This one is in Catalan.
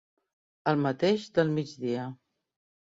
El mateix del migdia.